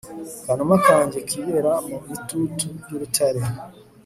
kanuma kanjye kibera mu mitutu y'urutare